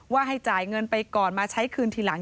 ให้จ่ายเงินไปก่อนมาใช้คืนทีหลัง